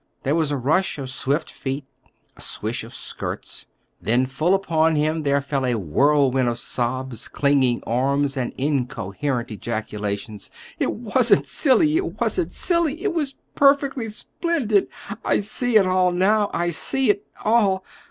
There was a rush of swift feet, a swish of skirts, then full upon him there fell a whirlwind of sobs, clinging arms, and incoherent ejaculations. "It wasn't silly—it wasn't silly. It was perfectly splendid! I see it all now. I see it all!